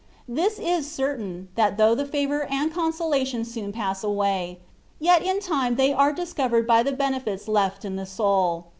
This is certain, that though the favour and consolation soon pass away, yet in time they are discovered by the benefits left in the soul.